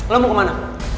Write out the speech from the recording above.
lo mau kemana